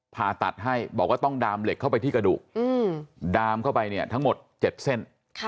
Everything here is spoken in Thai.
ผ่าตัดให้บอกว่าต้องดามเหล็กเข้าไปที่กระดูกดามเข้าไปเนี่ยทั้งหมด๗เส้น